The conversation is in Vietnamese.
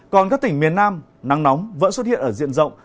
còn các tỉnh miền nam nắng nóng vẫn xuất hiện ở diện rộng